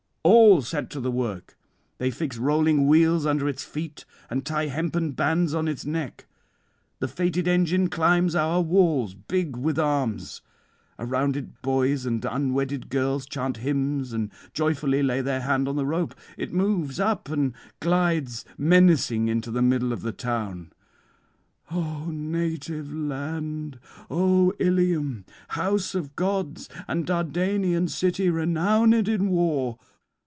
All set to the work; they fix rolling wheels under its feet, and tie hempen bands on its neck. The fated engine climbs our walls, big with arms. Around it boys and unwedded girls chant hymns and joyfully lay their hand on the rope. It moves up, and glides menacing into the middle of the town. O native land! O Ilium, house of gods, and Dardanian city renowned in war!